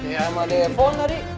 ya sama deh handphone tadi